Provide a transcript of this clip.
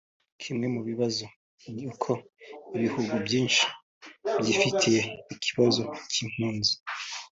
Kimwe mu bibazo ni uko ibihugu byinshi byifitiye ikibazo cy’impunzi